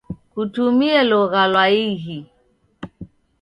Kutumie logha lwa ighi.